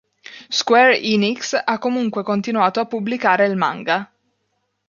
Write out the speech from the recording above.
Square Enix ha comunque continuato a pubblicare il manga.